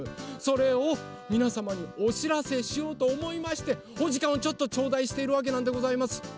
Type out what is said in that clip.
それをみなさまにおしらせしようとおもいましておじかんをちょっとちょうだいしているわけなんでございます。